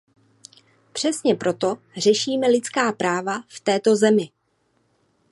Přesně proto řešíme lidská práva v této zemi.